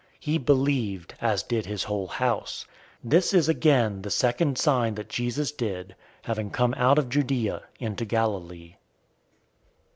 He believed, as did his whole house. 004:054 This is again the second sign that Jesus did, having come out of Judea into Galilee.